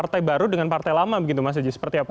partai baru dengan partai lama begitu mas aji seperti apa